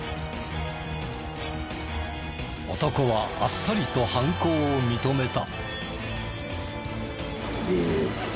男はあっさりと犯行を認めた。